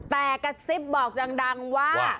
แต่กระซิบบอกดังว่า